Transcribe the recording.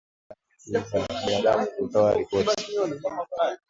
Ziara yake inajiri wiki mbili baada ya haki za binadamu kutoa ripoti